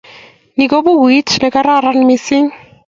Ni ko pukuit ne kararan missing'.